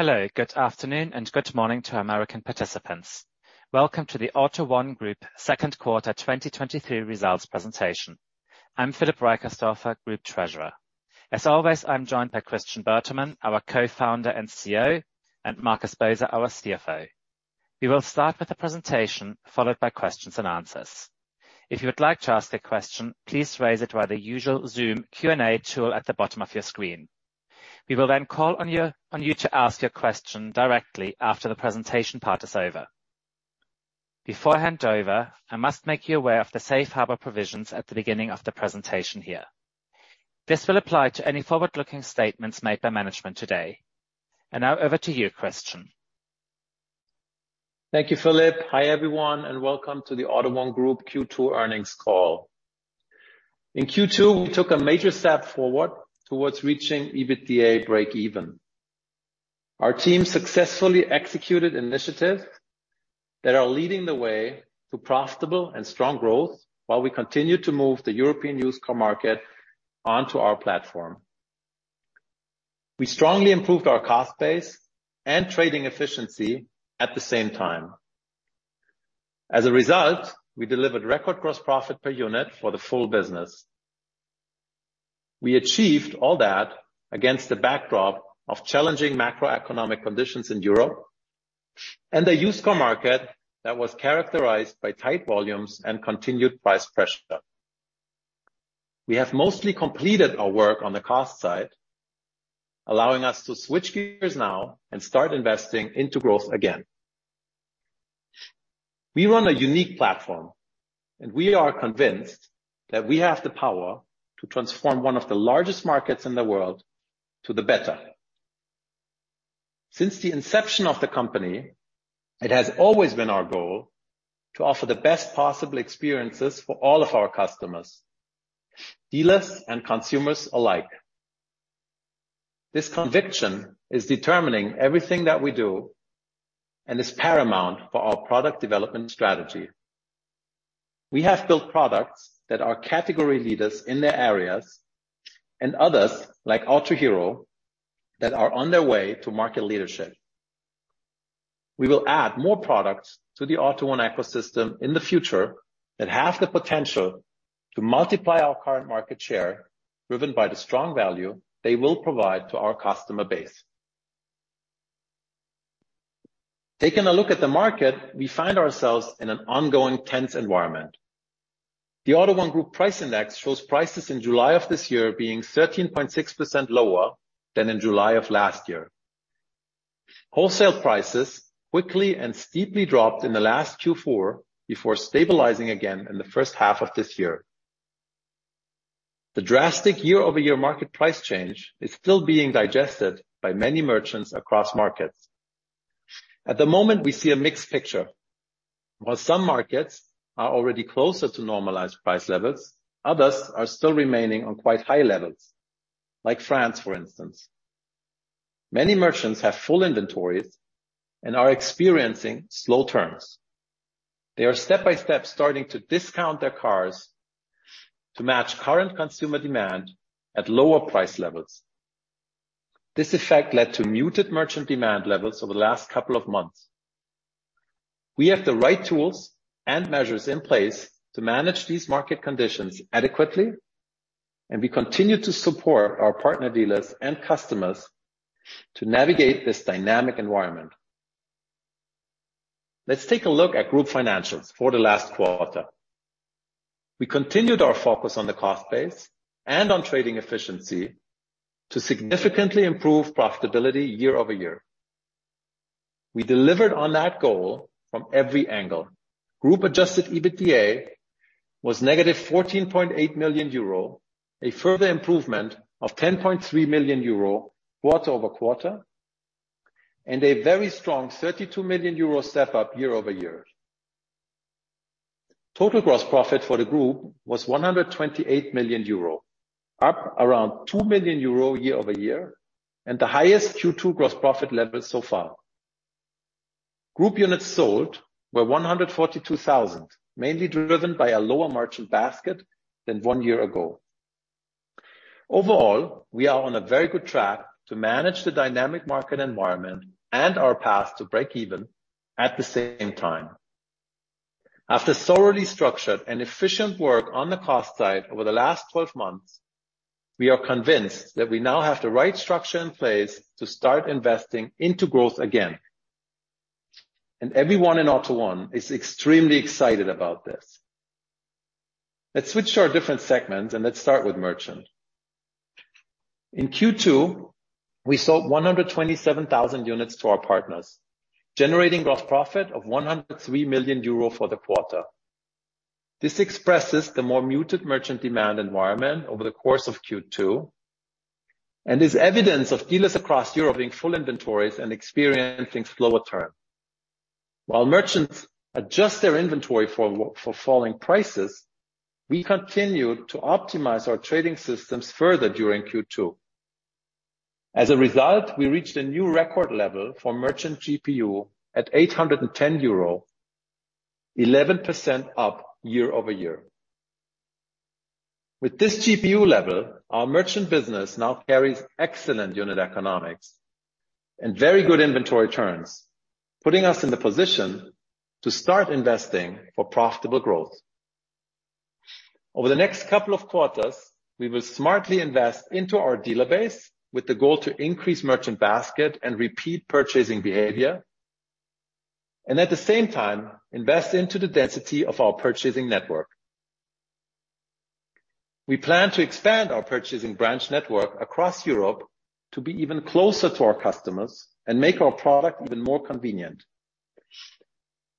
Hello, good afternoon, and good morning to our American participants. Welcome to the AUTO1 Group Q2 2023 results presentation. I'm Philip Reicherstorfer, Group Treasurer. As always, I'm joined by Christian Bertermann, our Co-Founder and CEO, and Markus Boser, our CFO. We will start with the presentation, followed by questions and answers. If you would like to ask a question, please raise it by the usual Zoom Q&A tool at the bottom of your screen. We will then call on you, on you to ask your question directly after the presentation part is over. Before I hand over, I must make you aware of the Safe Harbor provisions at the beginning of the presentation here. This will apply to any forward-looking statements made by management today. Now over to you, Christian. Thank you, Philipp. Hi, everyone, welcome to the AUTO1 Group Q2 earnings call. In Q2, we took a major step forward towards reaching EBITDA breakeven. Our team successfully executed initiatives that are leading the way to profitable and strong growth, while we continue to move the European used car market onto our platform. We strongly improved our cost base and trading efficiency at the same time. As a result, we delivered record gross profit per unit for the full business. We achieved all that against the backdrop of challenging macroeconomic conditions in Europe and a used car market that was characterized by tight volumes and continued price pressure. We have mostly completed our work on the cost side, allowing us to switch gears now and start investing into growth again. We run a unique platform, and we are convinced that we have the power to transform one of the largest markets in the world to the better. Since the inception of the company, it has always been our goal to offer the best possible experiences for all of our customers, dealers and consumers alike. This conviction is determining everything that we do and is paramount for our product development strategy. We have built products that are category leaders in their areas, and others, like Autohero, that are on their way to market leadership. We will add more products to the AUTO1 ecosystem in the future that have the potential to multiply our current market share, driven by the strong value they will provide to our customer base. Taking a look at the market, we find ourselves in an ongoing tense environment. The AUTO1 Group Price Index shows prices in July of this year being 13.6% lower than in July of last year. Wholesale prices quickly and steeply dropped in the last Q4 before stabilizing again in the first half of this year. The drastic year-over-year market price change is still being digested by many merchants across markets. At the moment, we see a mixed picture. While some markets are already closer to normalized price levels, others are still remaining on quite high levels, like France, for instance. Many merchants have full inventories and are experiencing slow turns. They are step by step, starting to discount their cars to match current consumer demand at lower price levels. This effect led to muted merchant demand levels over the last couple of months. We have the right tools and measures in place to manage these market conditions adequately, and we continue to support our partner dealers and customers to navigate this dynamic environment. Let's take a look at group financials for the last quarter. We continued our focus on the cost base and on trading efficiency to significantly improve profitability year-over-year. We delivered on that goal from every angle. Group adjusted EBITDA was negative 14.8 million euro, a further improvement of 10.3 million euro, quarter-over-quarter, and a very strong 32 million euro step up year-over-year. Total gross profit for the group was 128 million euro, up around 2 million euro year-over-year, and the highest Q2 gross profit level so far. Group units sold were 142,000, mainly driven by a lower merchant basket than one year ago. Overall, we are on a very good track to manage the dynamic market environment and our path to breakeven at the same time. After thoroughly structured and efficient work on the cost side over the last 12 months, we are convinced that we now have the right structure in place to start investing into growth again, and everyone in AUTO1 is extremely excited about this. Let's switch to our different segments. Let's start with merchant. In Q2, we sold 127,000 units to our partners, generating gross profit of 103 million euro for the quarter. This expresses the more muted merchant demand environment over the course of Q2 and is evidence of dealers across Europe in full inventories and experiencing slower turn. While merchants adjust their inventory for falling prices, we continued to optimize our trading systems further during Q2. As a result, we reached a new record level for merchant GPU at 810 euro, 11% up year-over-year. With this GPU level, our merchant business now carries excellent unit economics and very good inventory turns, putting us in the position to start investing for profitable growth. Over the next couple of quarters, we will smartly invest into our dealer base with the goal to increase merchant basket and repeat purchasing behavior, and at the same time, invest into the density of our purchasing network. We plan to expand our purchasing branch network across Europe to be even closer to our customers and make our product even more convenient.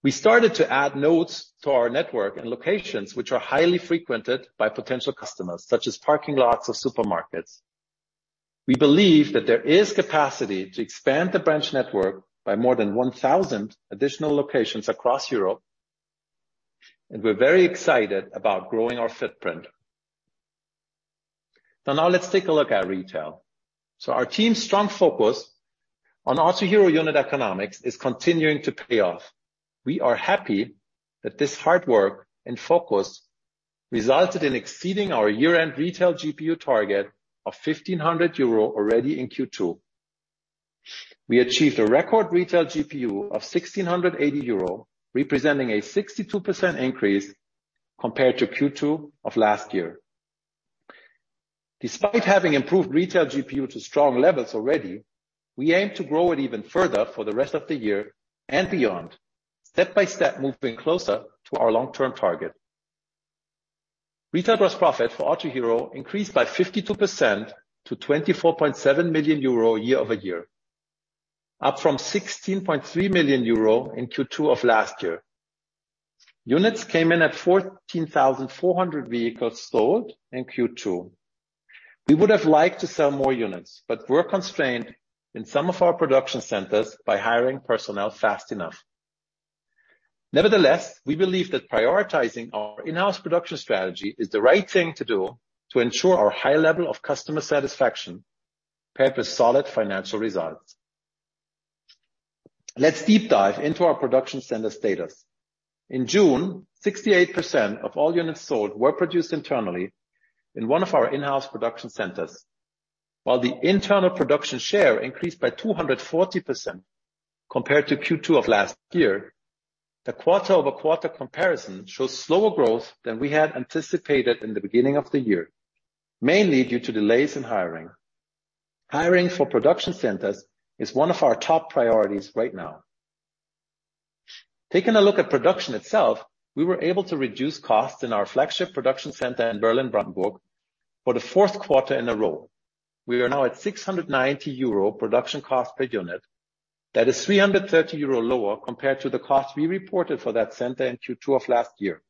We started to add nodes to our network and locations, which are highly frequented by potential customers, such as parking lots or supermarkets. We believe that there is capacity to expand the branch network by more than 1,000 additional locations across Europe, and we're very excited about growing our footprint. Now let's take a look at retail. Our team's strong focus on Autohero unit economics is continuing to pay off. We are happy that this hard work and focus resulted in exceeding our year-end retail GPU target of 1,500 euro already in Q2. We achieved a record retail GPU of 1,680 euro, representing a 62% increase compared to Q2 of last year. Despite having improved retail GPU to strong levels already, we aim to grow it even further for the rest of the year and beyond, step-by-step, moving closer to our long-term target. Retail gross profit for Autohero increased by 52% to 24.7 million euro year-over-year, up from 16.3 million euro in Q2 of last year. Units came in at 14,400 vehicles sold in Q2. We would have liked to sell more units, but we're constrained in some of our production centers by hiring personnel fast enough. Nevertheless, we believe that prioritizing our in-house production strategy is the right thing to do to ensure our high level of customer satisfaction paired with solid financial results. Let's deep dive into our production center status. In June, 68% of all units sold were produced internally in one of our in-house production centers. While the internal production share increased by 240% compared to Q2 of last year, the quarter-over-quarter comparison shows slower growth than we had anticipated in the beginning of the year, mainly due to delays in hiring. Hiring for production centers is one of our top priorities right now. Taking a look at production itself, we were able to reduce costs in our flagship production center in Berlin, Brandenburg, for the 4th quarter in a row. We are now at 690 euro production cost per unit. That is 330 euro lower compared to the cost we reported for that center in Q2 of last year.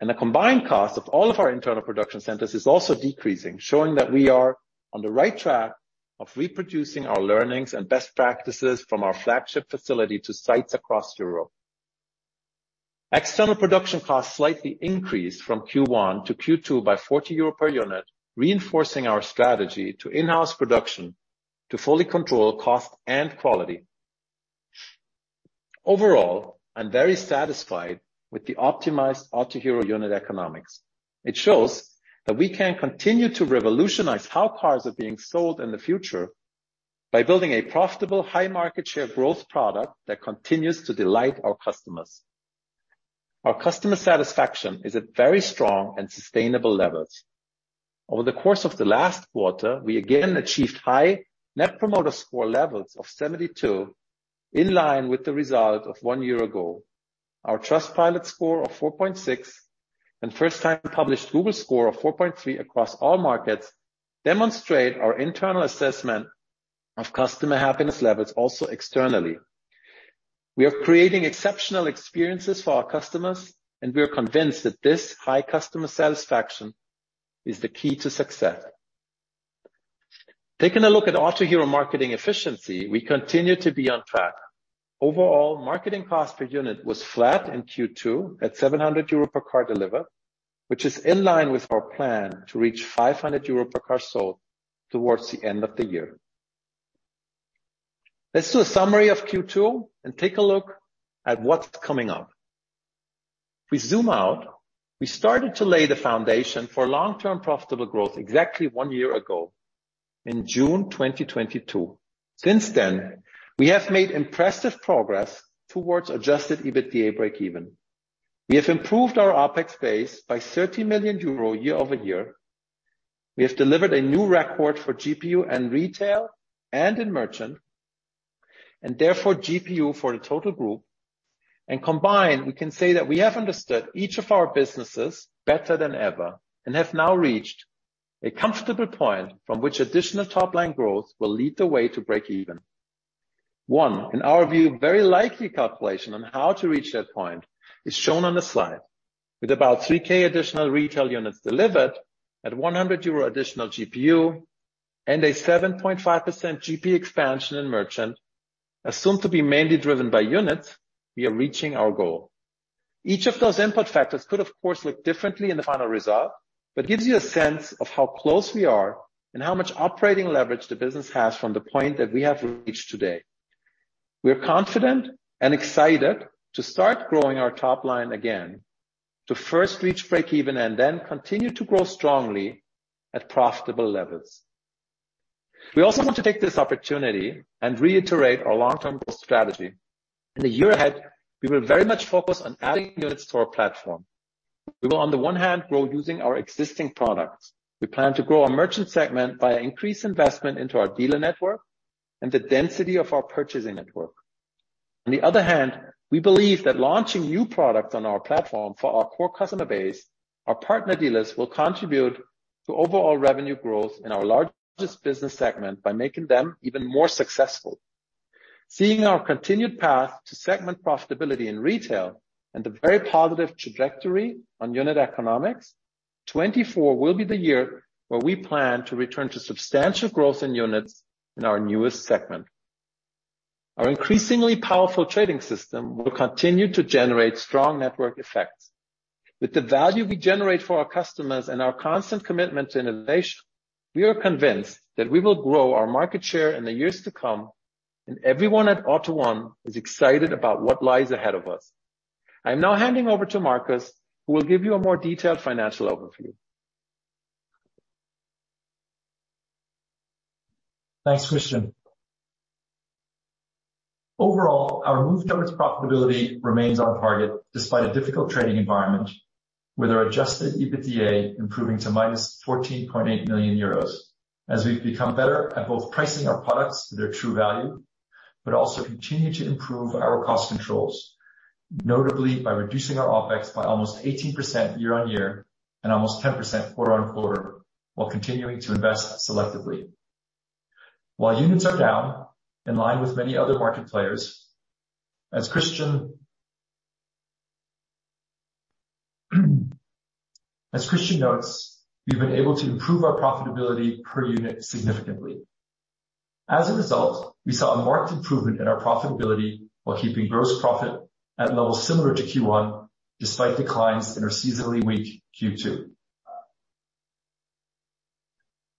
The combined cost of all of our internal production centers is also decreasing, showing that we are on the right track of reproducing our learnings and best practices from our flagship facility to sites across Europe. External production costs slightly increased from Q1 to Q2 by 40 euro per unit, reinforcing our strategy to in-house production to fully control cost and quality. Overall, I'm very satisfied with the optimized Autohero unit economics. It shows that we can continue to revolutionize how cars are being sold in the future by building a profitable, high market share growth product that continues to delight our customers. Our customer satisfaction is at very strong and sustainable levels. Over the course of the last quarter, we again achieved high Net Promoter Score levels of 72, in line with the result of one year ago. Our Trustpilot score of 4.6 and first-time published Google score of 4.3 across all markets demonstrate our internal assessment of customer happiness levels also externally. We are creating exceptional experiences for our customers, and we are convinced that this high customer satisfaction is the key to success. Taking a look at Autohero marketing efficiency, we continue to be on track. Overall, marketing cost per unit was flat in Q2 at 700 euro per car delivered, which is in line with our plan to reach 500 euro per car sold towards the end of the year. Let's do a summary of Q2 and take a look at what's coming up. We zoom out. We started to lay the foundation for long-term profitable growth exactly one year ago in June 2022. Since then, we have made impressive progress towards adjusted EBITDA breakeven. We have improved our OpEx base by 30 million euro year-over-year. We have delivered a new record for GPU and retail and in merchant, therefore, GPU for the total group. Combined, we can say that we have understood each of our businesses better than ever and have now reached a comfortable point from which additional top-line growth will lead the way to breakeven. One, in our view, very likely calculation on how to reach that point is shown on the slide, with about 3K additional retail units delivered at 100 euro additional GPU and a 7.5% GP expansion in merchant, assumed to be mainly driven by units, we are reaching our goal. Each of those input factors could, of course, look differently in the final result, but gives you a sense of how close we are and how much operating leverage the business has from the point that we have reached today. We're confident and excited to start growing our top line again, to first reach breakeven and then continue to grow strongly at profitable levels. We also want to take this opportunity and reiterate our long-term growth strategy. In the year ahead, we will very much focus on adding units to our platform. We will, on the one hand, grow using our existing products. We plan to grow our merchant segment by increased investment into our dealer network and the density of our purchasing network. On the other hand, we believe that launching new products on our platform for our core customer base, our partner dealers, will contribute to overall revenue growth in our largest business segment by making them even more successful. Seeing our continued path to segment profitability in retail and the very positive trajectory on unit economics, 24 will be the year where we plan to return to substantial growth in units in our newest segment. Our increasingly powerful trading system will continue to generate strong network effects. With the value we generate for our customers and our constant commitment to innovation, we are convinced that we will grow our market share in the years to come, and everyone at AUTO1 Group is excited about what lies ahead of us. I'm now handing over to Markus, who will give you a more detailed financial overview. Thanks, Christian. Overall, our move towards profitability remains on target, despite a difficult trading environment, with our adjusted EBITDA improving to minus 14.8 million euros. As we've become better at both pricing our products to their true value, but also continue to improve our cost controls, notably by reducing our OpEx by almost 18% year-on-year and almost 10% quarter-on-quarter, while continuing to invest selectively. While units are down, in line with many other market players, as Christian, as Christian notes, we've been able to improve our profitability per unit significantly. As a result, we saw a marked improvement in our profitability while keeping gross profit at levels similar to Q1, despite declines in our seasonally weak Q2.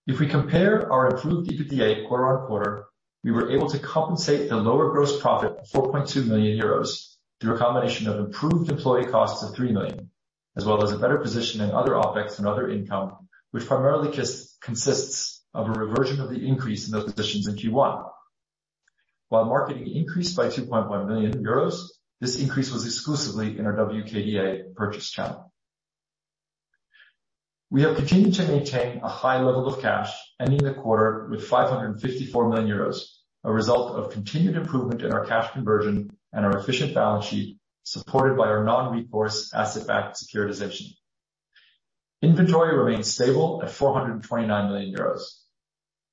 If we compare our improved EBITDA quarter-on-quarter, we were able to compensate the lower gross profit of 4.2 million euros through a combination of improved employee costs of 3 million, as well as a better position in other OpEx and other income, which primarily just consists of a reversion of the increase in those positions in Q1. While marketing increased by 2.1 million euros, this increase was exclusively in our WKDA purchase channel. We have continued to maintain a high level of cash, ending the quarter with 554 million euros, a result of continued improvement in our cash conversion and our efficient balance sheet, supported by our non-recourse asset-backed securitization. Inventory remains stable at 429 million euros.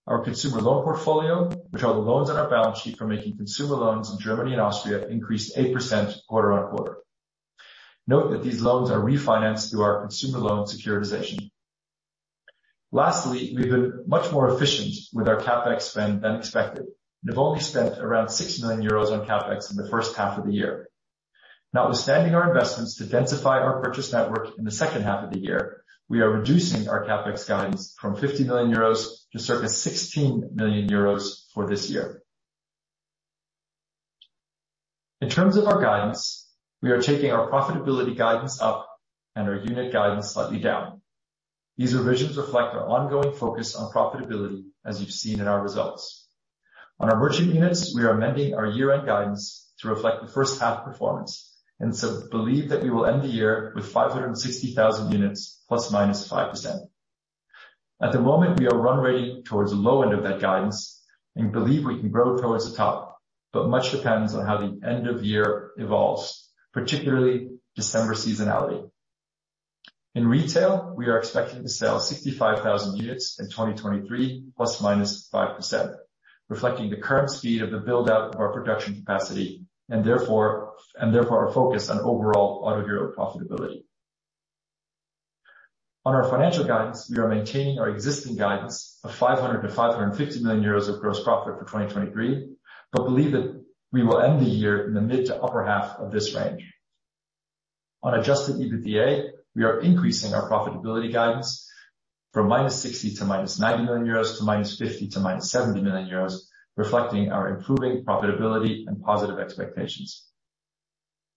Our consumer loan portfolio, which are the loans on our balance sheet for making consumer loans in Germany and Austria, increased 8% quarter-on-quarter. Note that these loans are refinanced through our consumer loan securitization. Lastly, we've been much more efficient with our CapEx spend than expected. We've only spent around 6 million euros on CapEx in the first half of the year. Notwithstanding our investments to densify our purchase network in the second half of the year, we are reducing our CapEx guidance from 50 million euros to surface 16 million euros for this year. In terms of our guidance, we are taking our profitability guidance up and our unit guidance slightly down. These revisions reflect our ongoing focus on profitability, as you've seen in our results. On our merchant units, we are amending our year-end guidance to reflect the first half performance and so believe that we will end the year with 560,000 units, ±5%. At the moment, we are run rating towards the low end of that guidance and believe we can grow towards the top, but much depends on how the end of year evolves, particularly December seasonality. In retail, we are expecting to sell 65,000 units in 2023, ±5%, reflecting the current speed of the build-out of our production capacity and therefore, and therefore our focus on overall Autohero profitability. On our financial guidance, we are maintaining our existing guidance of 500 million-550 million euros of gross profit for 2023, but believe that we will end the year in the mid to upper half of this range. On adjusted EBITDA, we are increasing our profitability guidance from -60 million to -90 million euros to -50 million to -70 million euros, reflecting our improving profitability and positive expectations.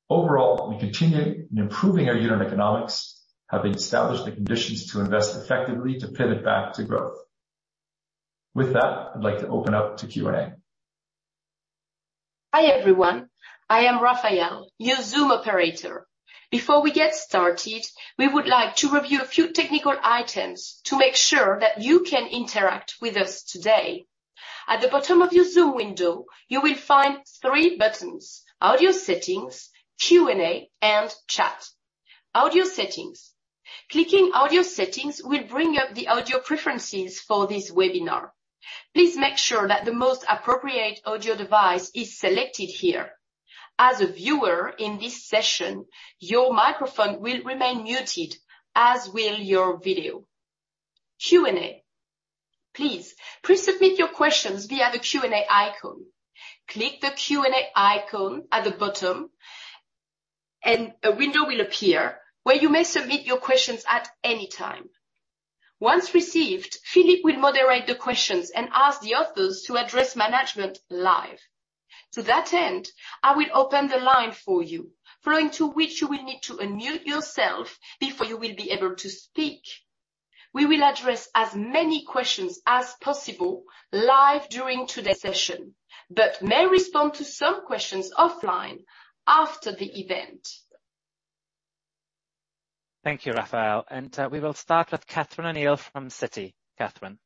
Overall, we continue in improving our unit economics, having established the conditions to invest effectively to pivot back to growth. With that, I'd like to open up to Q&A. Hi, everyone. I am Raphael, your Zoom operator. Before we get started, we would like to review a few technical items to make sure that you can interact with us today. At the bottom of your Zoom window, you will find three buttons: Audio Settings, Q&A, and Chat. Audio Settings. Clicking audio settings will bring up the audio preferences for this webinar. Please make sure that the most appropriate audio device is selected here. As a viewer in this session, your microphone will remain muted, as will your video. Q&A. Please, pre-submit your questions via the Q&A icon. Click the Q&A icon and a window will appear, where you may submit your questions at any time. Once received, Philip will moderate the questions and ask the authors to address management live. To that end, I will open the line for you, following to which you will need to unmute yourself before you will be able to speak. We will address as many questions as possible live during today's session, but may respond to some questions offline after the event. Thank you, Raphael, and we will start with Catherine O'Neill from Citi. Catherine.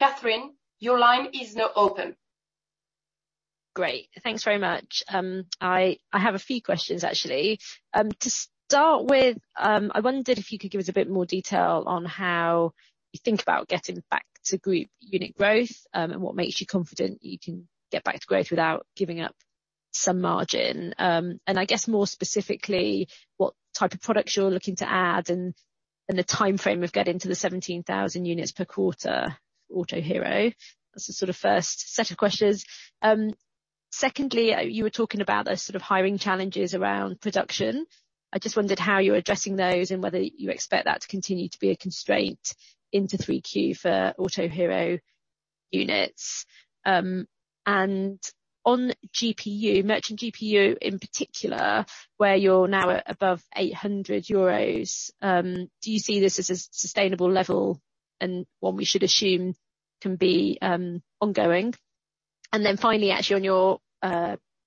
Catherine, your line is now open. Great. Thanks very much. I, I have a few questions, actually. To start with, I wondered if you could give us a bit more detail on how you think about getting back to group unit growth, and what makes you confident you can get back to growth without giving up some margin. And I guess more specifically, what type of products you're looking to add, and, and the timeframe of getting to the 17,000 units per quarter, Autohero. That's the sort of first set of questions. Secondly, you were talking about those sort of hiring challenges around production. I just wondered how you're addressing those, and whether you expect that to continue to be a constraint into 3 Q for Autohero units. On GPU, merchant GPU in particular, where you're now at above 800 euros, do you see this as a sustainable level and one we should assume can be ongoing? Then finally, actually, on your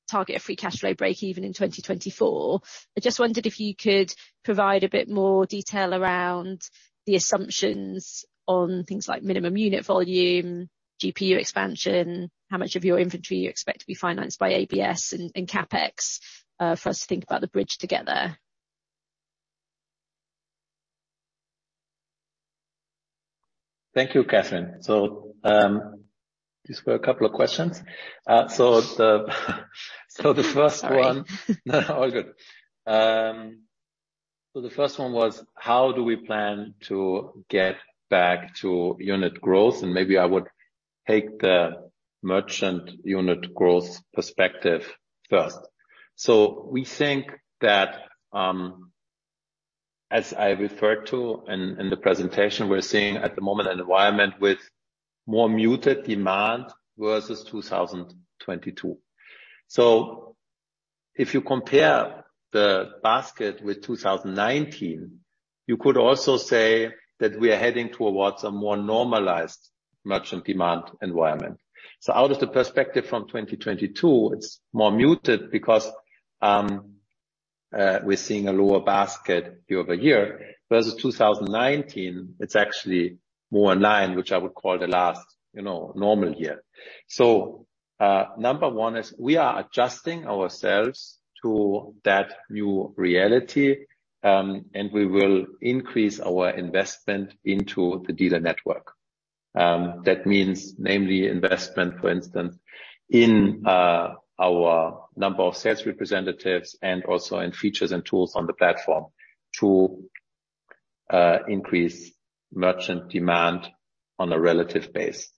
target of free cash flow breakeven in 2024, I just wondered if you could provide a bit more detail around the assumptions on things like minimum unit volume, GPU expansion, how much of your inventory you expect to be financed by ABS and CapEx for us to think about the bridge together. Thank you, Catherine. These were a couple of questions. The first one. Sorry. No, all good. The first one was, how do we plan to get back to unit growth? Maybe I would take the merchant unit growth perspective first. We think that, as I referred to in, in the presentation, we're seeing at the moment an environment with more muted demand versus 2022. If you compare the basket with 2019, you could also say that we are heading towards a more normalized merchant demand environment. Out of the perspective from 2022, it's more muted because, we're seeing a lower basket year-over-year, versus 2019, it's actually more in line, which I would call the last, you know, normal year. Number one is we are adjusting ourselves to that new reality, and we will increase our investment into the dealer network. That means namely investment, for instance, in our number of sales representatives and also in features and tools on the platform to increase merchant demand on a relative base.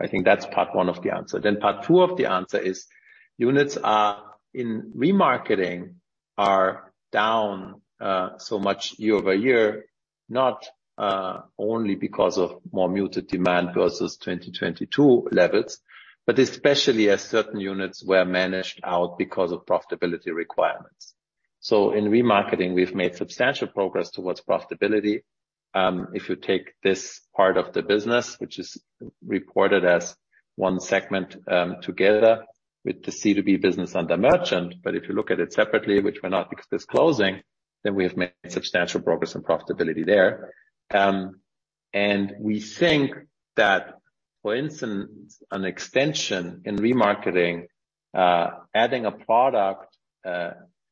I think that's part one of the answer. Part two of the answer is units are in Remarketing are down so much year-over-year, not only because of more muted demand versus 2022 levels, but especially as certain units were managed out because of profitability requirements. In Remarketing, we've made substantial progress towards profitability. If you take this part of the business, which is reported as one segment, together with the C2B business under merchant, but if you look at it separately, which we're not disclosing, then we have made substantial progress and profitability there. We think that, for instance, an extension in Remarketing, adding a product,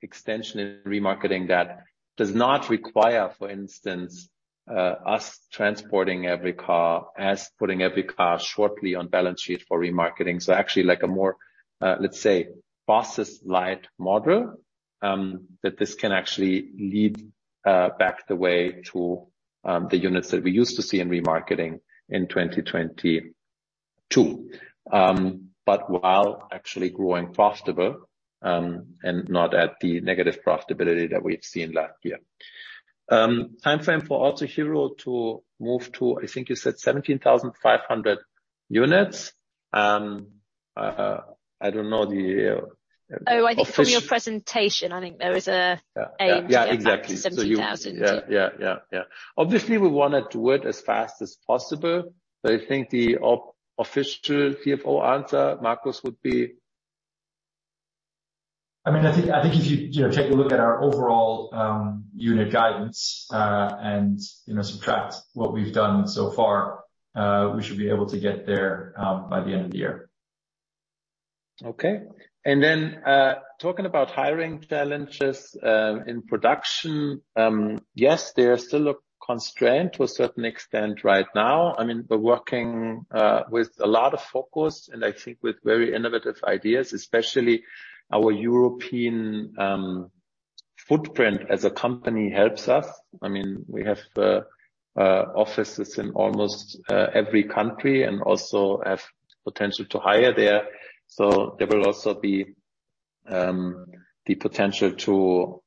extension in Remarketing that does not require, for instance, us transporting every car, as putting every car shortly on balance sheet for Remarketing. Actually like a more, let's say, asset-light model, that this can actually lead back the way to the units that we used to see in Remarketing in 2022. While actually growing profitable, and not at the negative profitability that we've seen last year. Timeframe for Autohero to move to, I think you said 17,500 units. I don't know the. Oh, I think from your presentation, I think there is... Yeah. Aim to get back to 17,000. Yeah, exactly. Yeah, yeah, yeah. Obviously, we want to do it as fast as possible, but I think the official CFO answer, Markus, would be? I mean, I think, I think if you, you know, take a look at our overall, unit guidance, and, you know, subtract what we've done so far, we should be able to get there, by the end of the year. Okay. Then, talking about hiring challenges, in production, yes, they are still a constraint to a certain extent right now. I mean, we're working with a lot of focus and I think with very innovative ideas, especially our European footprint as a company helps us. I mean, we have offices in almost every country and also have potential to hire there. There will also be the potential to,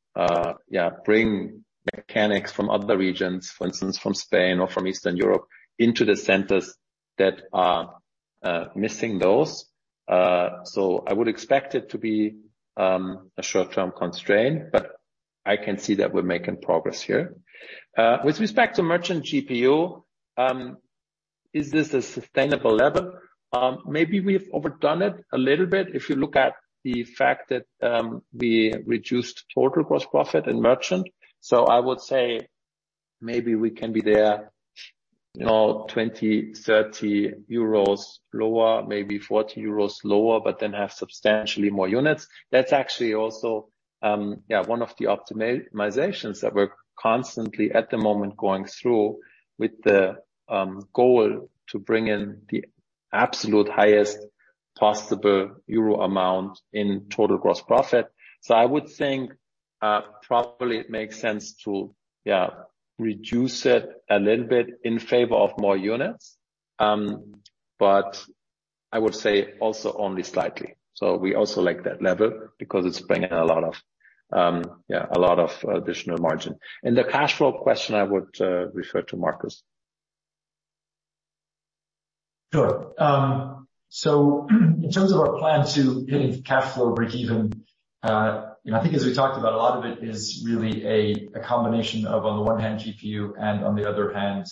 yeah, bring mechanics from other regions, for instance, from Spain or from Eastern Europe, into the centers that are missing those. I would expect it to be a short-term constraint, but I can see that we're making progress here. With respect to merchant GPU, is this a sustainable level? Maybe we've overdone it a little bit if you look at the fact that we reduced total gross profit in merchant. I would say maybe we can be there, you know, 20 euros, 30 euros lower, maybe 40 euros lower, but then have substantially more units. That's actually also, yeah, one of the optimizations that we're constantly at the moment going through with the goal to bring in the absolute highest possible EUR amount in total gross profit. I would think, probably it makes sense to, yeah, reduce it a little bit in favor of more units, but I would say also only slightly. We also like that level because it's bringing a lot of, yeah, a lot of additional margin. The cash flow question, I would refer to Markus. Sure. In terms of our plan to hitting cash flow breakeven, you know, I think as we talked about, a lot of it is really a, a combination of, on the one hand, GPU and on the other hand,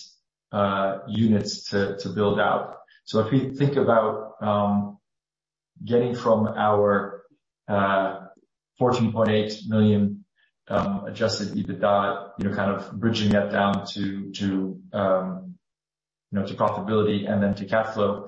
units to, to build out. If we think about getting from our 14.8 million adjusted EBITDA, you know, kind of bridging that down to, to, you know, to profitability and then to cash flow.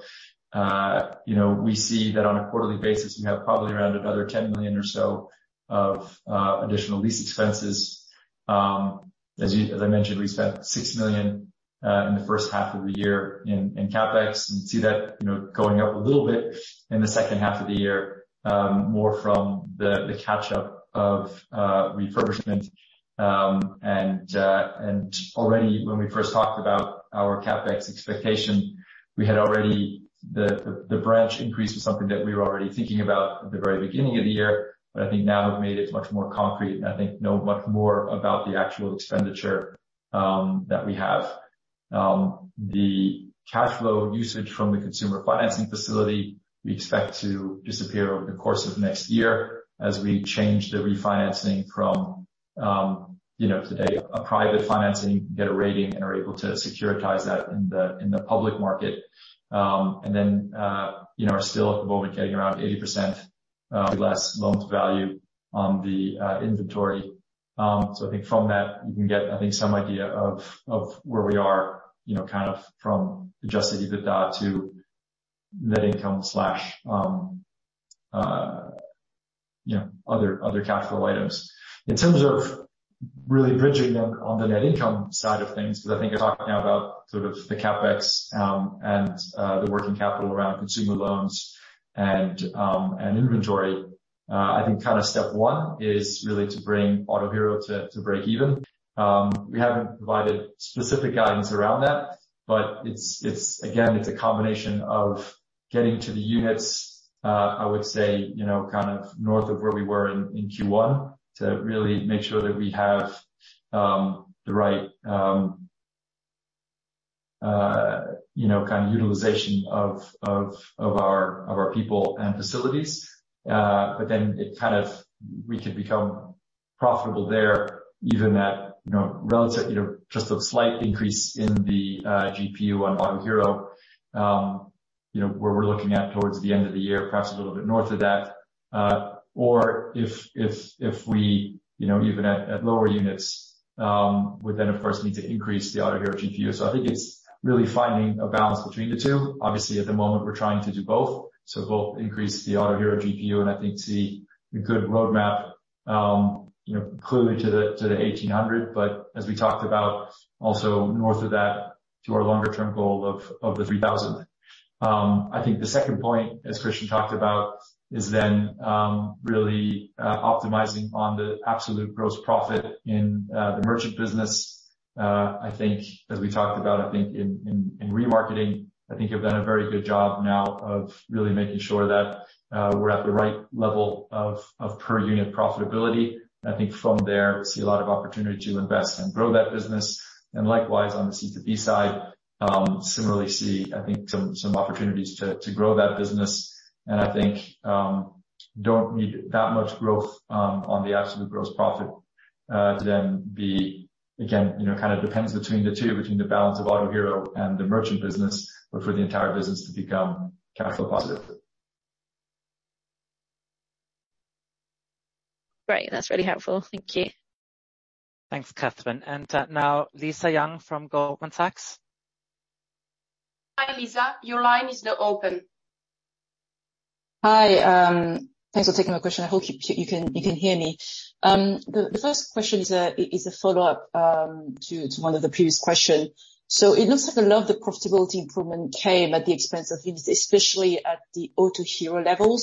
You know, we see that on a quarterly basis, we have probably around another 10 million or so of additional lease expenses. As you, as I mentioned, we spent 6 million in the first half of the year in CapEx, and see that, you know, going up a little bit in the second half of the year, more from the, the catch up of refurbishment. Already when we first talked about our CapEx expectation, we had already... The, the, the branch increase was something that we were already thinking about at the very beginning of the year, but I think now have made it much more concrete, and I think know much more about the actual expenditure that we have. The cash flow usage from the consumer financing facility, we expect to disappear over the course of next year as we change the refinancing from, you know, today, a private financing, get a rating, and are able to securitize that in the, in the public market. Then, you know, are still at the moment getting around 80%, less loans value on the, inventory. I think from that you can get, I think, some idea of, of where we are, you know, kind of from adjusted EBITDA to net income slash, you know, other, other cash flow items. In terms of really bridging on, on the net income side of things, because I think you're talking now about sort of the CapEx, and the working capital around consumer loans and, and inventory. I think kind of step one is really to bring Autohero to breakeven. We haven't provided specific guidance around that, but it's again, it's a combination of getting to the units, I would say, you know, kind of north of where we were in Q1, to really make sure that we have the right, you know, kind of utilization of our people and facilities. Then it kind of, we could become profitable there even at, you know, relative, you know, just a slight increase in the GPU on Autohero. You know, where we're looking at towards the end of the year, perhaps a little bit north of that. If we, you know, even at lower units, would then of course, need to increase the Autohero GPU. I think it's really finding a balance between the two. Obviously, at the moment, we're trying to do both. Both increase the Autohero GPU and I think see a good roadmap, you know, clearly to the 1,800, but as we talked about, also north of that, to our longer term goal of the 3,000. I think the second point, as Christian talked about, is then really optimizing on the absolute gross profit in the merchant business. I think as we talked about, I think in remarketing, I think you've done a very good job now of really making sure that we're at the right level of per unit profitability. I think from there, we see a lot of opportunity to invest and grow that business, and likewise on the C2B side. Similarly see, I think, some, some opportunities to, to grow that business. I think, don't need that much growth, on the absolute gross profit, to then be again, you know, kind of depends between the two, between the balance of Autohero and the merchant business, but for the entire business to become cash flow positive. Great. That's really helpful. Thank you. Thanks, Catherine. Now Lisa Yang from Goldman Sachs. Hi, Lisa, your line is now open. Hi, thanks for taking my question. I hope you, you can, you can hear me. The, the first question is a, is a follow-up, to, to one of the previous question. It looks like a lot of the profitability improvement came at the expense of units, especially at the Autohero level.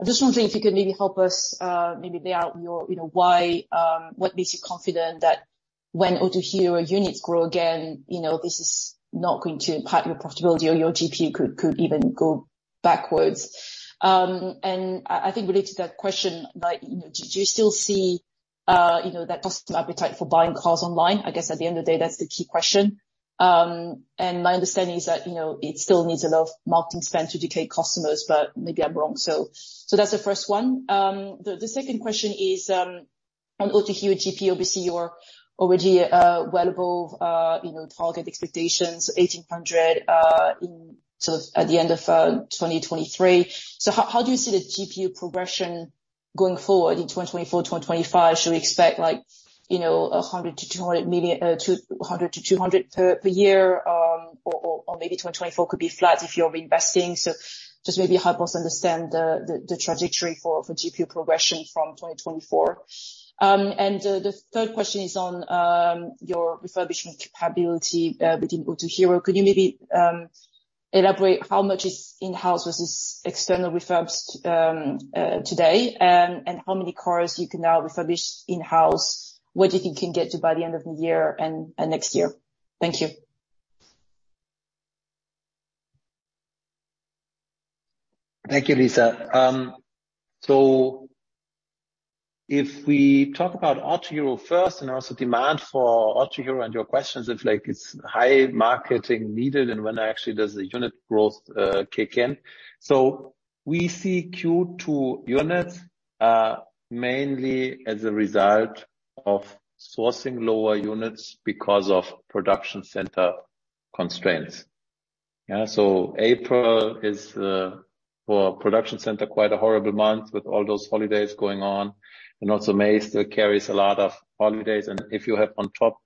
I just wondering if you could maybe help us, maybe lay out your, you know, why, what makes you confident that when Autohero units grow again, you know, this is not going to impact your profitability or your GPU could, could even go backwards? I, I think related to that question, like, you know, do you still see, you know, that customer appetite for buying cars online? I guess at the end of the day, that's the key question. My understanding is that, you know, it still needs a lot of marketing spend to educate customers, but maybe I'm wrong. That's the first one. The, the second question is on Autohero GPU, obviously, you're already well above, you know, target expectations, 1,800 in sort of at the end of 2023. How, how do you see the GPU progression going forward in 2024, 2025? Should we expect like, you know, 100 million-200 million, 200-200 per, per year, or, or, or maybe 2024 could be flat if you're investing? Just maybe help us understand the, the, the trajectory for, for GPU progression from 2024. The third question is on your refurbishment capability within Autohero. Could you maybe elaborate how much is in-house versus external refurbs today, and how many cars you can now refurbish in-house? What you can get to by the end of the year and next year? Thank you. Thank you, Lisa. So if we talk about Autohero first and also demand for Autohero and your questions, if, like, it's high marketing needed, and when actually does the unit growth kick in? We see Q2 units mainly as a result of sourcing lower units because of production center constraints. Yeah, so April is for production center, quite a horrible month with all those holidays going on, and also May still carries a lot of holidays. If you have on top,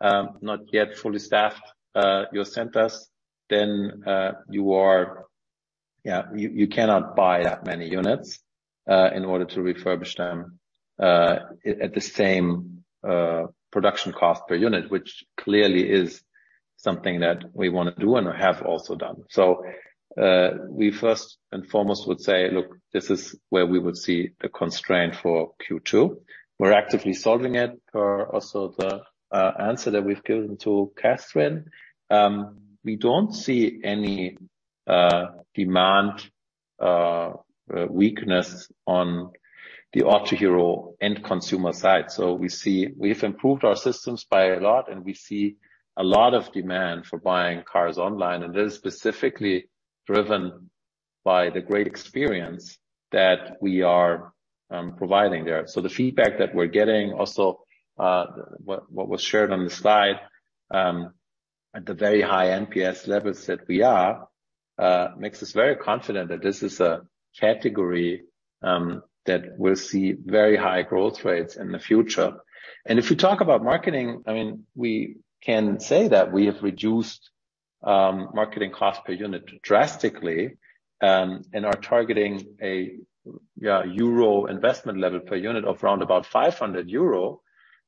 not yet fully staffed, your centers, then you, you cannot buy that many units in order to refurbish them at, at the same production cost per unit, which clearly is something that we want to do and have also done. We first and foremost would say, look, this is where we would see a constraint for Q2. We're actively solving it, per also the answer that we've given to Catherine. We don't see any demand weakness on the Autohero end consumer side. We've improved our systems by a lot, and we see a lot of demand for buying cars online, and that is specifically driven by the great experience that we are providing there. The feedback that we're getting also, what was shared on the slide, at the very high NPS levels that we are, makes us very confident that this is a category that will see very high growth rates in the future. If we talk about marketing, I mean, we can say that we have reduced marketing cost per unit drastically and are targeting a EUR investment level per unit of round about 500 euro,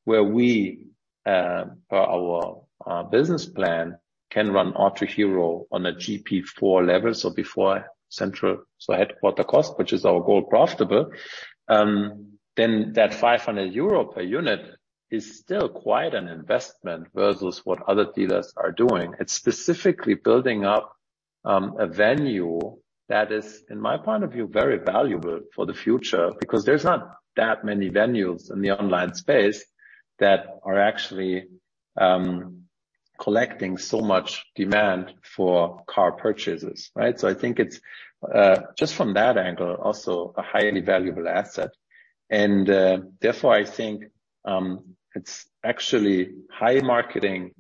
where we per our business plan, can run Autohero on a GP4 level, so before central. Headquarter cost, which is our goal, profitable. That 500 euro per unit is still quite an investment versus what other dealers are doing. It's specifically building up a venue that is, in my point of view, very valuable for the future, because there's not that many venues in the online space that are actually collecting so much demand for car purchases, right? I think it's just from that angle, also a highly valuable asset, and therefore, I think, it's actually high marketing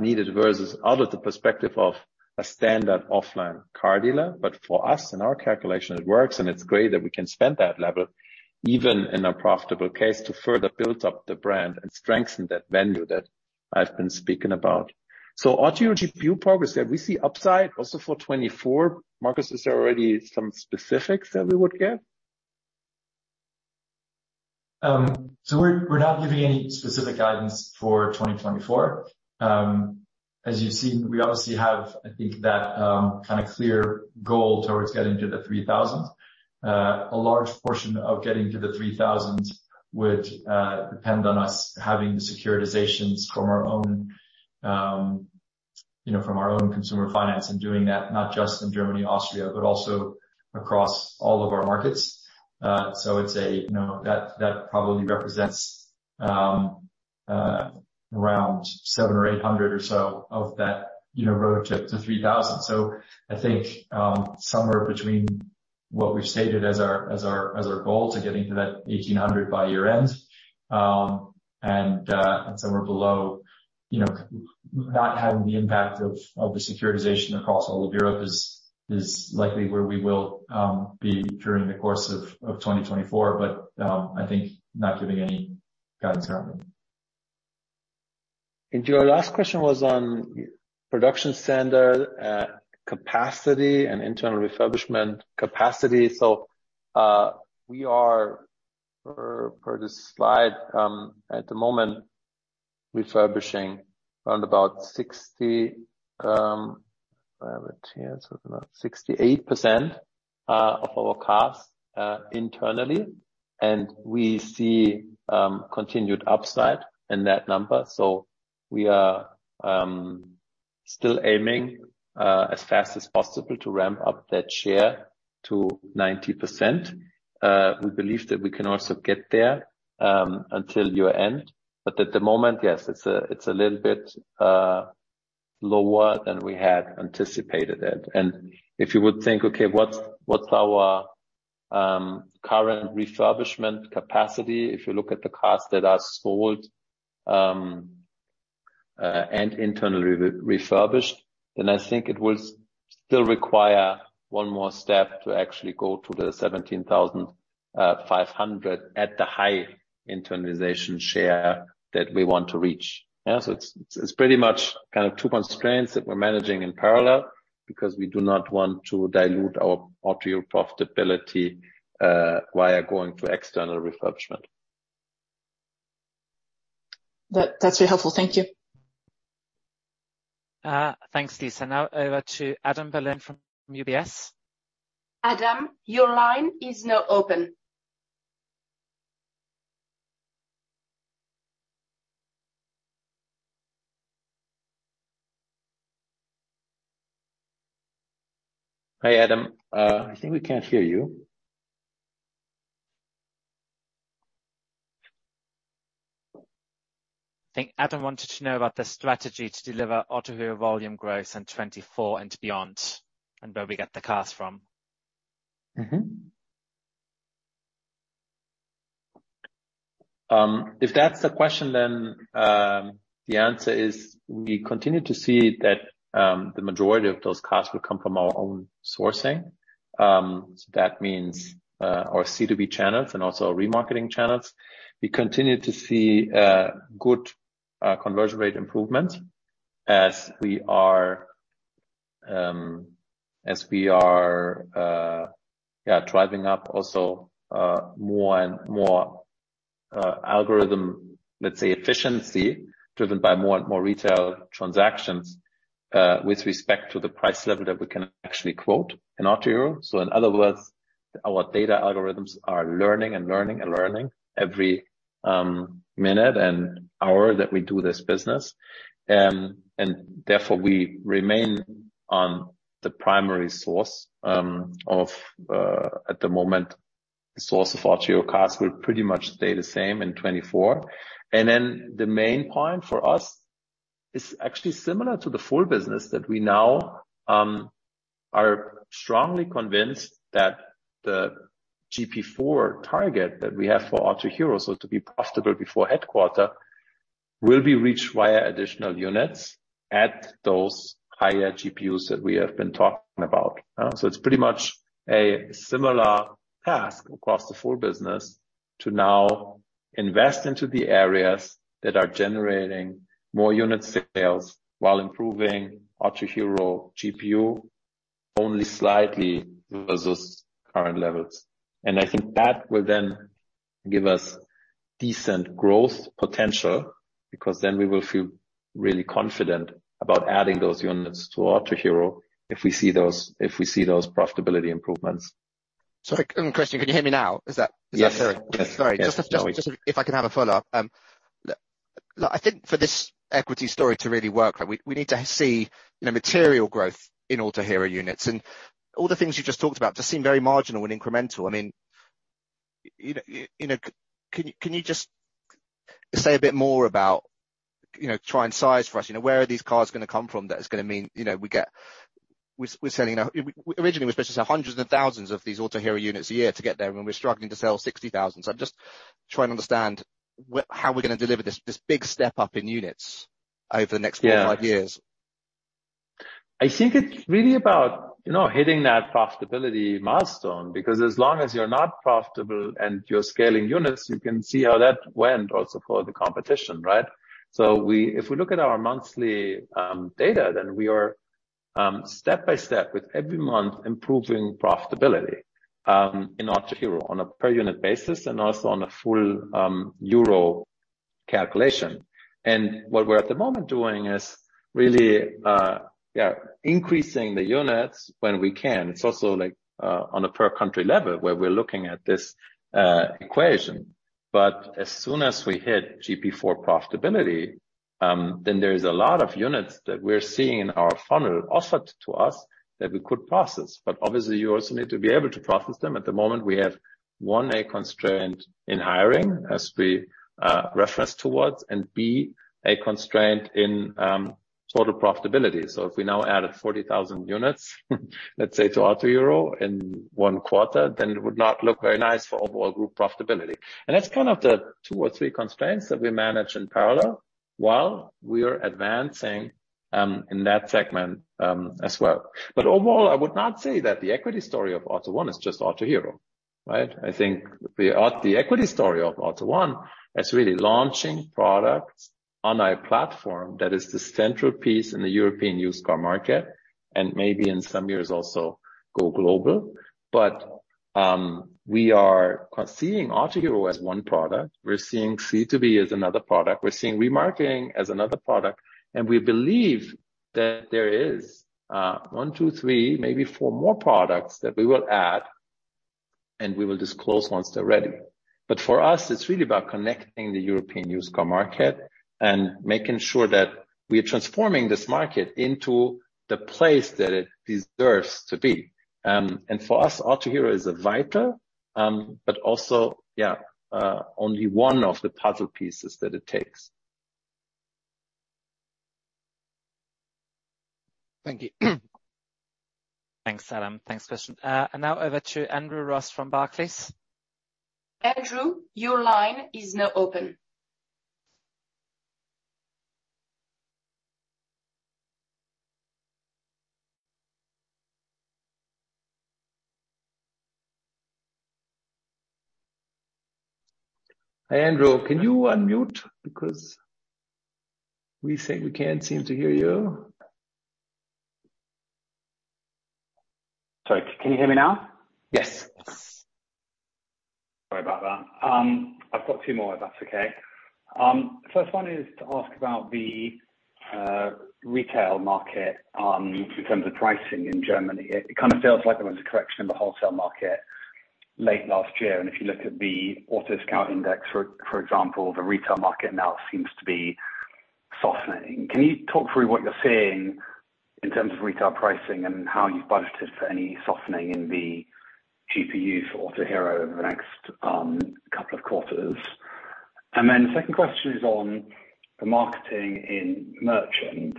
needed versus out of the perspective of a standard offline car dealer. For us, in our calculation, it works, and it's great that we can spend that level, even in a profitable case, to further build up the brand and strengthen that venue that I've been speaking about. Autohero GPU progress that we see upside also for 2024. Markus, is there already some specifics that we would get? We're, we're not giving any specific guidance for 2024. As you've seen, we obviously have, I think, that kind of clear goal towards getting to the 3,000. A large portion of getting to the 3,000 would depend on us having the securitizations from our own, you know, from our own consumer finance, and doing that not just in Germany, Austria, but also across all of our markets. It's a, you know, that, that probably represents around 700 or 800 or so of that, you know, road to, to 3,000. I think, somewhere between what we've stated as our, as our, as our goal to getting to that 1,800 by year-end, and somewhere below, you know, not having the impact of, of the securitization across all of Europe is, is likely where we will be during the course of 2024. I think not giving any guidance on that. Your last question was on production center capacity and internal refurbishment capacity. Per, per this slide, at the moment, refurbishing around about 60, I have it here, so about 68% of our cars internally, and we see continued upside in that number. We are still aiming as fast as possible to ramp up that share to 90%. We believe that we can also get there until year-end, but at the moment, yes, it's a, it's a little bit lower than we had anticipated it. If you would think, okay, what's, what's our current refurbishment capacity? If you look at the cars that are sold, and internally re-refurbished, then I think it will still require one more step to actually go to the 17,500 at the high internalization share that we want to reach. Yeah, it's, it's pretty much kind of two constraints that we're managing in parallel, because we do not want to dilute our Autohero profitability, via going to external refurbishment. That's very helpful. Thank you. Thanks, Lisa. Now over to Adam Berlin from UBS. Adam, your line is now open. Hi, Adam. I think we can't hear you. I think Adam wanted to know about the strategy to deliver Autohero volume growth in 2024 and beyond, and where we get the cars from. If that's the question, then the answer is we continue to see that the majority of those cars will come from our own sourcing. So that means our C2B channels and also our Remarketing channels. We continue to see good conversion rate improvement as we are as we are, yeah, driving up also more and more algorithm, let's say, efficiency, driven by more and more retail transactions with respect to the price level that we can actually quote in Autohero. In other words, our data algorithms are learning and learning and learning every minute and hour that we do this business. Therefore, we remain on the primary source of at the moment, source of Autohero cars will pretty much stay the same in 2024. Then the main point for us is actually similar to the full business, that we now are strongly convinced that the GP4 target that we have for Autohero, so to be profitable before headquarter, will be reached via additional units at those higher GPUs that we have been talking about. So it's pretty much a similar task across the full business to now invest into the areas that are generating more unit sales while improving Autohero GPU only slightly versus current levels. I think that will then give us decent growth potential, because then we will feel really confident about adding those units to Autohero, if we see those, if we see those profitability improvements. Sorry, Christian, can you hear me now? Is that- Yes. Sorry. Just, just, if I can have a follow-up. I think for this equity story to really work, we, we need to see, you know, material growth in Autohero units. All the things you just talked about just seem very marginal and incremental. I mean, you know, you know, can you, can you just say a bit more about, you know, try and size for us, you know, where are these cars gonna come from that it's gonna mean, you know, we're, we're selling now... Originally, we're supposed to sell hundreds and thousands of these Autohero units a year to get there, and we're struggling to sell 60,000. I'm just trying to understand how we're gonna deliver this, this big step up in units over the next- Yeah... four, five years. I think it's really about, you know, hitting that profitability milestone, because as long as you're not profitable and you're scaling units, you can see how that went also for the competition, right? If we look at our monthly data, we are step by step, with every month, improving profitability in Autohero on a per unit basis and also on a full euro calculation. What we're at the moment doing is really, yeah, increasing the units when we can. It's also, like, on a per country level, where we're looking at this equation. As soon as we hit GP4 profitability, there's a lot of units that we're seeing in our funnel offered to us that we could process. Obviously, you also need to be able to process them. At the moment, we have, one, a constraint in hiring, as we referenced towards, and B, a constraint in total profitability. If we now added 40,000 units, let's say, to Autohero in one quarter, then it would not look very nice for overall group profitability. That's kind of the two or three constraints that we manage in parallel, while we are advancing in that segment as well. Overall, I would not say that the equity story of AUTO1 is just Autohero, right? I think the equity story of AUTO1 is really launching products on our platform, that is the central piece in the European used car market, and maybe in some years also go global. We are seeing Autohero as one product. We're seeing C2B as another product. We're seeing Remarketing as another product. We believe that there is 1, 2, 3, maybe 4 more products that we will add, and we will disclose once they're ready. For us, it's really about connecting the European used car market and making sure that we are transforming this market into the place that it deserves to be. For us, Autohero is a vital, but also only one of the puzzle pieces that it takes. Thank you. Thanks, Adam. Thanks, Christian. Now over to Andrew Ross from Barclays. Andrew, your line is now open. Hi, Andrew, can you unmute? Because we think we can't seem to hear you. Sorry, can you hear me now? Yes. Sorry about that. I've got two more, if that's okay. First one is to ask about the retail market, in terms of pricing in Germany. It kind of feels like there was a correction in the wholesale market late last year, and if you look at the AutoScout Index, for example, the retail market now seems to be softening. Can you talk through what you're seeing in terms of retail pricing and how you've budgeted for any softening in the GPU for Autohero over the next couple of quarters? Second question is on the marketing in merchant.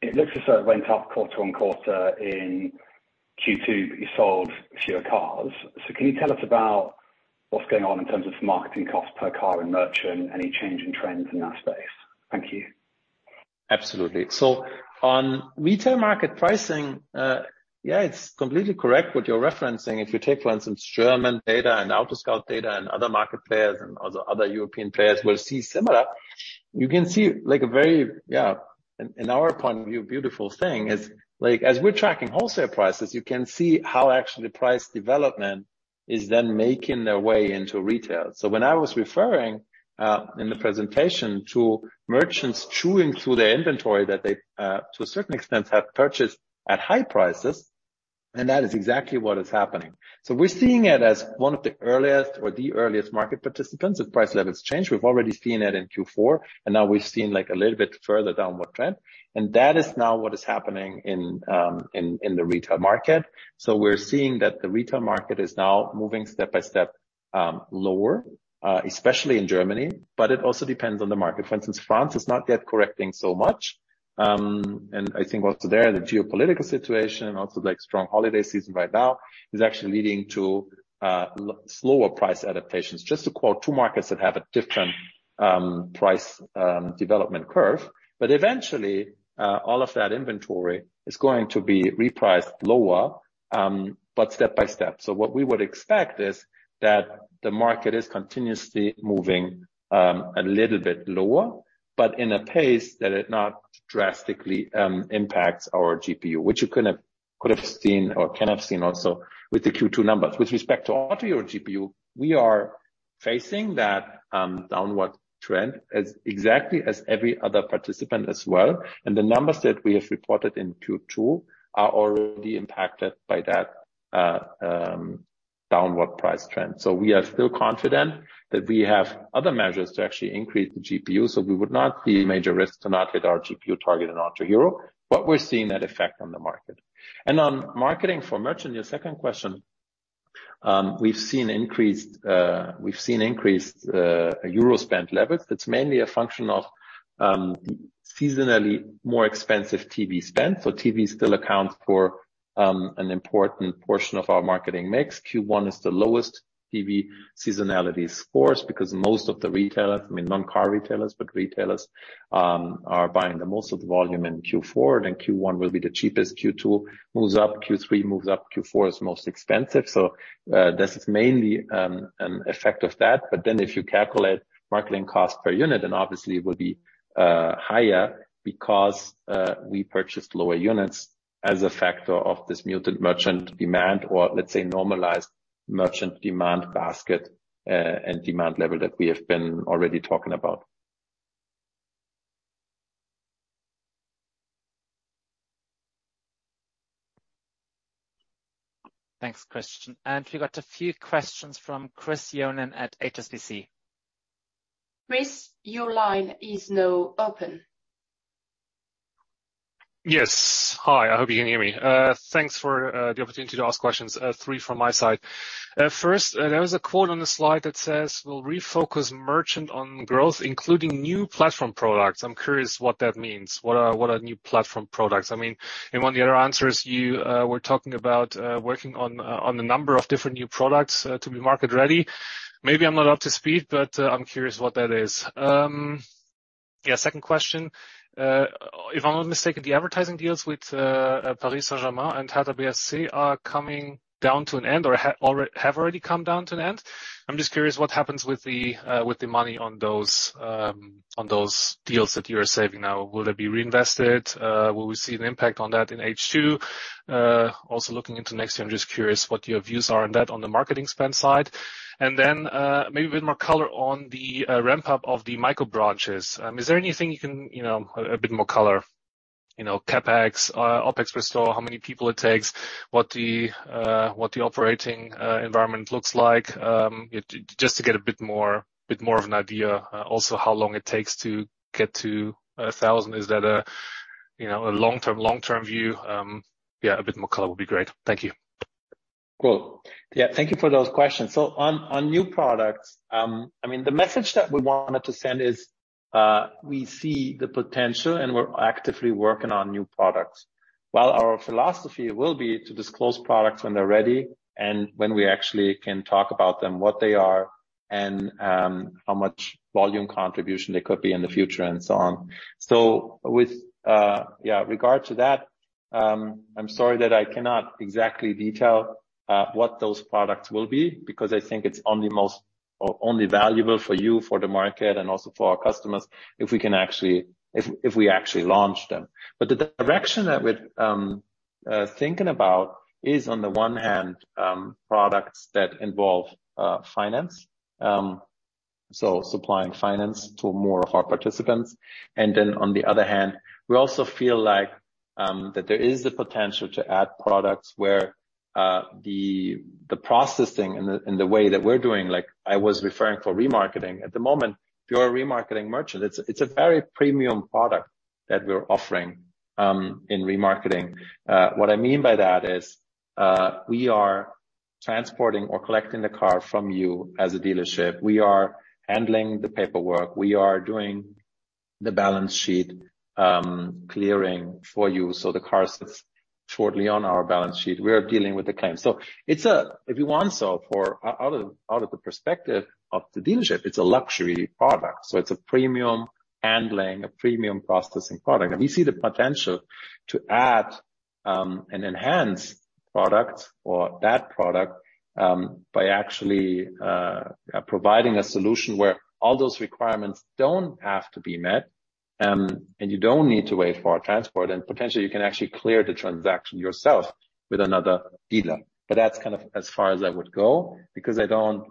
It looks as though it went up quarter-on-quarter in Q2, but you sold fewer cars. Can you tell us about what's going on in terms of marketing cost per car in merchant? Any change in trends in that space? Thank you. Absolutely. On retail market pricing, yeah, it's completely correct what you're referencing. If you take, for instance, German data and AutoScout24 data and other market players and other, other European players, we'll see similar. You can see, like, a very, yeah, in, in our point of view, beautiful thing is, like, as we're tracking wholesale prices, you can see how actually price development is then making their way into retail. When I was referring in the presentation to merchants chewing through their inventory, that they, to a certain extent, have purchased at high prices, and that is exactly what is happening. We're seeing it as one of the earliest or the earliest market participants. The price levels change. We've already seen it in Q4, and now we've seen, like, a little bit further downward trend, and that is now what is happening in the retail market. We're seeing that the retail market is now moving step by step, lower, especially in Germany, but it also depends on the market. For instance, France is not yet correcting so much. I think also there, the geopolitical situation, also, like, strong holiday season right now, is actually leading to slower price adaptations. Just to quote two markets that have a different price development curve. Eventually, all of that inventory is going to be repriced lower, but step by step. What we would expect is that the market is continuously moving a little bit lower, but in a pace that it not drastically impacts our GPU, which you could have, could have seen or can have seen also with the Q2 numbers. With respect to Autohero GPU, we are facing that downward trend as exactly as every other participant as well, and the numbers that we have reported in Q2 are already impacted by that downward price trend. We are still confident that we have other measures to actually increase the GPU, so we would not be a major risk to not hit our GPU target in Autohero, but we're seeing that effect on the market. On marketing for merchant, your second question, we've seen increased, we've seen increased euro spend levels. It's mainly a function of seasonally more expensive TV spend. TV still accounts for an important portion of our marketing mix. Q1 is the lowest TV seasonality scores because most of the retailers, I mean, non-car retailers, but retailers, are buying the most of the volume in Q4, and then Q1 will be the cheapest. Q2 moves up, Q3 moves up, Q4 is most expensive. This is mainly an effect of that. Then if you calculate marketing cost per unit, then obviously it will be higher because we purchased lower units as a factor of this muted merchant demand or, let's say, normalized merchant demand basket, and demand level that we have been already talking about. Thanks, Christian. We got a few questions from Chetan Yarlagadda at HSBC. Chris, your line is now open. Yes. Hi, I hope you can hear me. Thanks for the opportunity to ask questions, three from my side. First, there was a quote on the slide that says, "We'll refocus merchant on growth, including new platform products." I'm curious what that means. What are, what are new platform products? I mean, in one of the other answers, you were talking about on a number of different new products to be market ready. Maybe I'm not up to speed, but I'm curious what that is. Yeah, second question. If I'm not mistaken, the advertising deals with Paris Saint-Germain and uncertain are coming down to an end or have already come down to an end?... I'm just curious what happens with the money on those on those deals that you are saving now. Will they be reinvested? Will we see an impact on that in H2? Looking into next year, I'm just curious what your views are on that, on the marketing spend side. Maybe a bit more color on the ramp-up of the micro branches. Is there anything you can, you know, a bit more color, you know, CapEx, OpEx per store, how many people it takes, what the operating environment looks like? Just to get a bit more, bit more of an idea. How long it takes to get to 1,000. Is that a, you know, a long-term, long-term view? Yeah, a bit more color would be great. Thank you. Cool. Yeah, thank you for those questions. On, on new products, I mean, the message that we wanted to send is, we see the potential, and we're actively working on new products, while our philosophy will be to disclose products when they're ready and when we actually can talk about them, what they are, and, how much volume contribution they could be in the future, and so on. With, yeah, regard to that, I'm sorry that I cannot exactly detail, what those products will be, because I think it's only most- or only valuable for you, for the market, and also for our customers, if we can actually... if, if we actually launch them. The direction that we're thinking about is, on the one hand, products that involve finance, so supplying finance to more of our participants. On the other hand, we also feel like that there is the potential to add products where the, the processing and the, and the way that we're doing, like I was referring for remarketing. At the moment, if you're a remarketing merchant, it's, it's a very premium product that we're offering in remarketing. What I mean by that is, we are transporting or collecting the car from you as a dealership. We are handling the paperwork. We are doing the balance sheet clearing for you, so the car sits shortly on our balance sheet. We are dealing with the claims. It's a, if you want so, for, out of, out of the perspective of the dealership, it's a luxury product, so it's a premium handling, a premium processing product. We see the potential to add, and enhance products or that product, by actually, providing a solution where all those requirements don't have to be met, and you don't need to wait for a transport, and potentially you can actually clear the transaction yourself with another dealer. That's kind of as far as I would go, because I don't,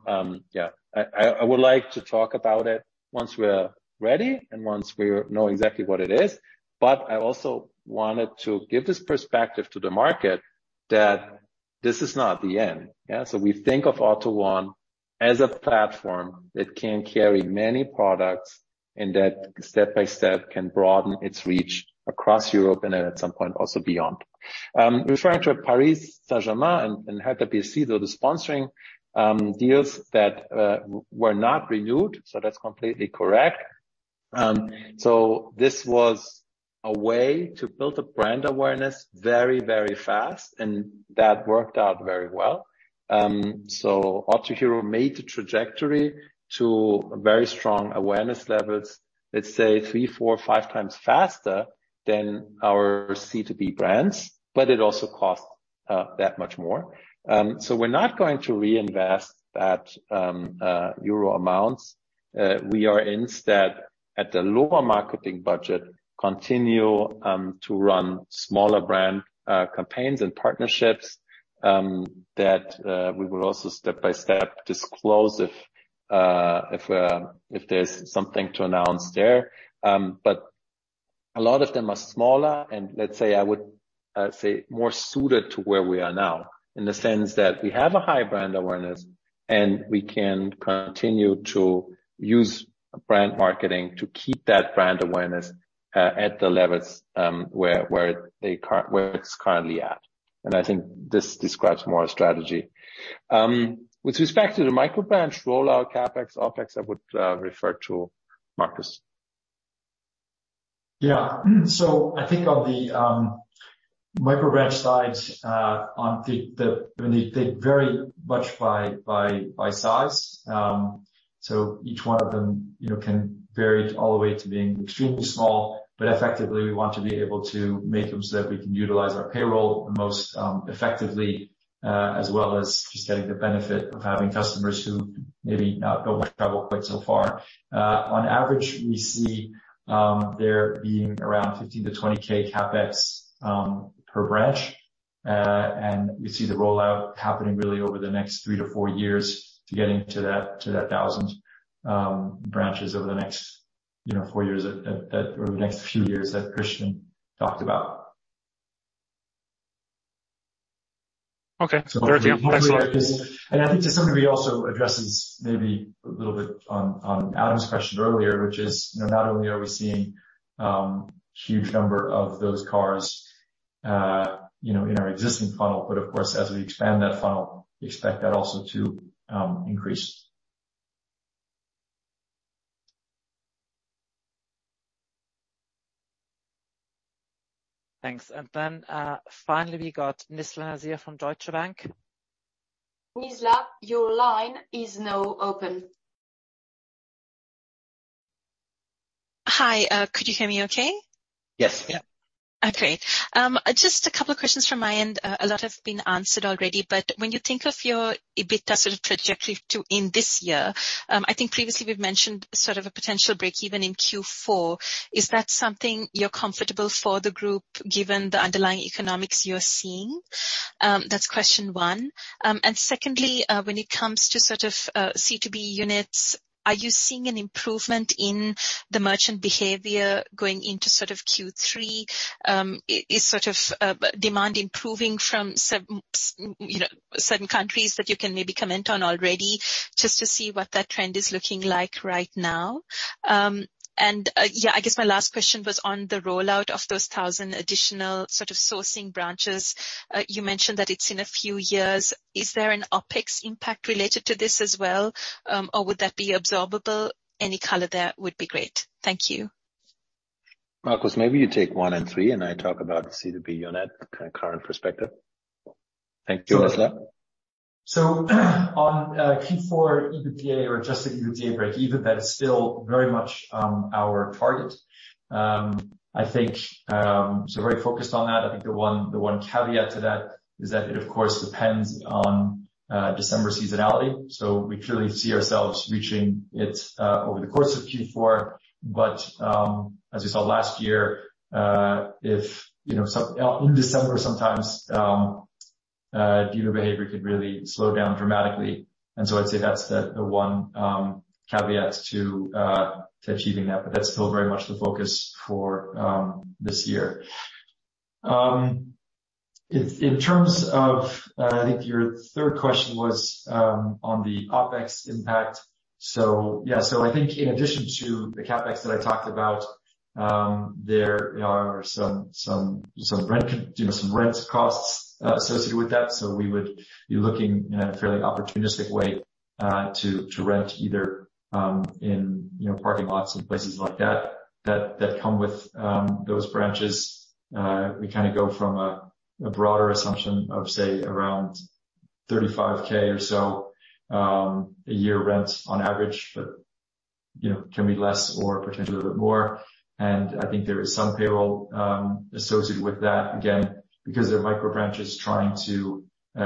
yeah, I, I, I would like to talk about it once we're ready and once we know exactly what it is. I also wanted to give this perspective to the market that this is not the end, yeah? We think of AUTO1 as a platform that can carry many products, and that step by step, can broaden its reach across Europe and then at some point, also beyond. Referring to Paris Saint-Germain and Hertha BSC, though, the sponsoring deals that were not renewed, that's completely correct. This was a way to build a brand awareness very, very fast, and that worked out very well. Autohero made the trajectory to very strong awareness levels, let's say three, four, five times faster than our C2B brands, but it also cost that much more. We're not going to reinvest that EUR amounts. We are instead, at the lower marketing budget, continue to run smaller brand campaigns and partnerships that we will also step by step disclose if there's something to announce there. But a lot of them are smaller, and let's say, I would say more suited to where we are now, in the sense that we have a high brand awareness, and we can continue to use brand marketing to keep that brand awareness at the levels where it's currently at. I think this describes more our strategy. With respect to the micro branch rollout, CapEx, OpEx, I would refer to Markus. Yeah. I think on the micro branch side, they vary much by size. Each one of them, you know, can vary all the way to being extremely small, but effectively, we want to be able to make them so that we can utilize our payroll the most effectively, as well as just getting the benefit of having customers who maybe not go by travel quite so far. On average, we see there being around 15,000-20,000 CapEx per branch. We see the rollout happening really over the next 3-4 years to getting to that 1,000 branches over the next, you know, 4 years or the next few years that Christian talked about. Okay. Fair deal. Thanks a lot. I think to some degree, also addresses maybe a little bit on, on Adam's question earlier, which is, you know, not only are we seeing, huge number of those cars, you know, in our existing funnel, but of course, as we expand that funnel, we expect that also to, increase. Thanks. Then, finally, we got Nizla Naizer from Deutsche Bank. Nisla, your line is now open. Hi, could you hear me okay? Yes. Yeah. Oh, great. Just a couple of questions from my end. A lot have been answered already, but when you think of your EBITDA sort of trajectory to end this year, I think previously we've mentioned sort of a potential break even in Q4. Is that something you're comfortable for the group, given the underlying economics you're seeing? That's question one. Secondly, when it comes to sort of C2B units, are you seeing an improvement in the merchant behavior going into sort of Q3? Is sort of demand improving from you know, certain countries that you can maybe comment on already, just to see what that trend is looking like right now? Yeah, I guess my last question was on the rollout of those 1,000 additional sort of sourcing branches. You mentioned that it's in a few years. Is there an OpEx impact related to this as well, or would that be absorbable? Any color there would be great. Thank you. Markus, maybe you take 1 and 3, and I talk about C2B unit, kind of, current perspective. Thank you, Nizla. Sure. On Q4 EBITDA or adjusted EBITDA breakeven, that is still very much our target. I think very focused on that. I think the one, the one caveat to that is that it, of course, depends on December seasonality. We clearly see ourselves reaching it over the course of Q4. As you saw last year, if, you know, in December, sometimes dealer behavior could really slow down dramatically. I'd say that's the, the one caveat to achieving that, but that's still very much the focus for this year. In, in terms of, I think your third question was on the OpEx impact. Yeah, so I think in addition to the CapEx that I talked about, there are some, some, some rent, you know, some rent costs, associated with that. We would be looking in a fairly opportunistic way, to, to rent either, in, you know, parking lots and places like that, that, that come with, those branches. We kind of go from a, a broader assumption of, say, around 35K or so, a year rent on average, but, you know, can be less or potentially a bit more. I think there is some payroll, associated with that. Again, because they're micro branches, trying to,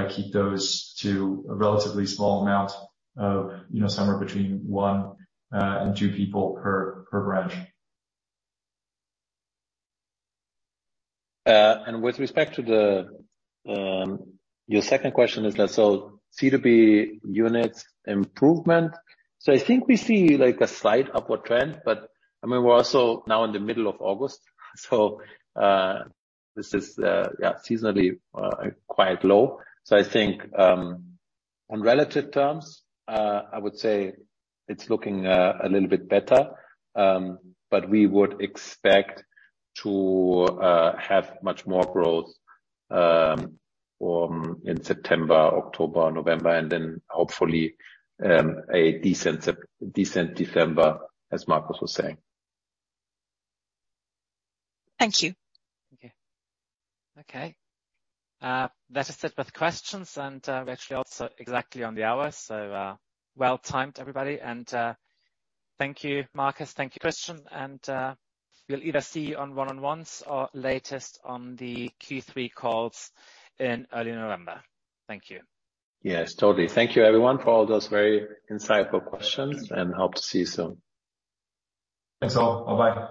keep those to a relatively small amount of, you know, somewhere between one, and two people per, per branch. With respect to the, your second question, Nizla. C2B units improvement. I think we see, like, a slight upward trend, I mean, we're also now in the middle of August, this is, yeah, seasonally quite low. I think on relative terms, I would say it's looking a little bit better. We would expect to have much more growth in September, October, November, and hopefully a decent December, as Markus was saying. Thank you. Okay. Okay. That is it with questions. We're actually also exactly on the hour, so well timed, everybody. Thank you, Markus. Thank you, Christian. We'll either see you on one-on-ones or latest on the Q3 calls in early November. Thank you. Yes, totally. Thank you, everyone, for all those very insightful questions, and hope to see you soon. Thanks, all. Bye-bye.